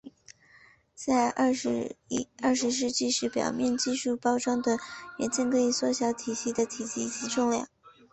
在二十世纪末时表面黏着技术包装的元件可以缩小系统的体积及重量。